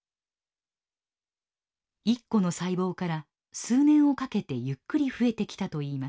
１個の細胞から数年をかけてゆっくり増えてきたといいます。